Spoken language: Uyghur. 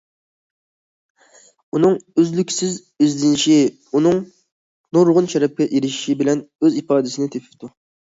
ئۇنىڭ ئۈزلۈكسىز ئىزدىنىشى ئۇنىڭ نۇرغۇن شەرەپكە ئېرىشىشى بىلەن ئۆز ئىپادىسىنى تېپىپتۇ.